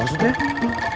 bang teng bukan ikan hiu